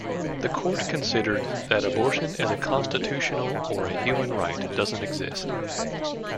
The Court considered that abortion as a constitutional or a human right doesn't exist.